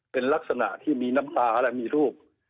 เป็นลักษณะที่มีน้ำตาและมีรูป